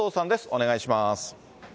お願いします。